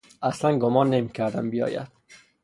اصلا گمان نمیکردم بیاید.